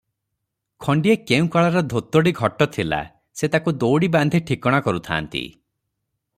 ଖଣ୍ଡିଏ କେଉଁ କାଳର ଧୋତଡ଼ି ଖଟ ଥିଲା, "ସେ ତାକୁ ଦଉଡ଼ି ବାନ୍ଧି ଠିକଣା କରୁଥାନ୍ତି ।